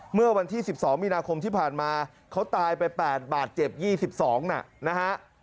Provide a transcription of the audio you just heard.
เมื่อวันที่๑๒มีนาคมที่ผ่านมาเขาตายไป๘บาทเจ็บ๒๒นะฮะ